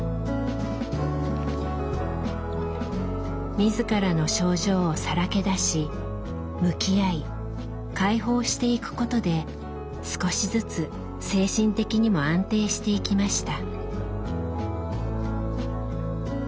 自らの症状をさらけ出し向き合い開放していくことで少しずつ精神的にも安定していきました。